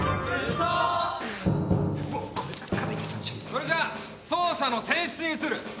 それじゃあ走者の選出に移る。